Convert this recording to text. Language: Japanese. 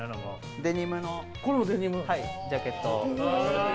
デニムのジャケットを。